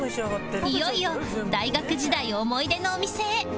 いよいよ大学時代思い出のお店へ